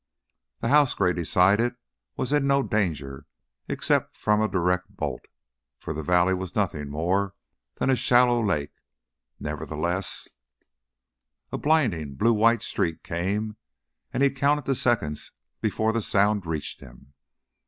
The house, Gray decided, was in no danger, except from a direct bolt, for the valley was nothing more than a shallow lake; nevertheless A blinding, blue white streak came, and he counted the seconds before the sound reached him.